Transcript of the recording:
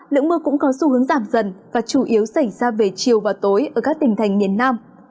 lượng mưa cũng có xu hướng giảm dần và chủ yếu xảy ra về chiều và tối ở các tỉnh thành miền nam